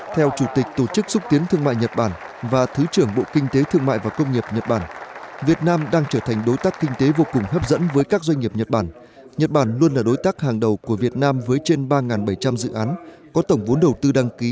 theo chủ tịch tổ chức xuất tiến thương mại nhật bản và thứ trưởng bộ kinh tế thương mại và công nghiệp nhật bản việt nam đang trở thành đối tác kinh tế vô cùng hấp dẫn với các doanh nghiệp nhật bản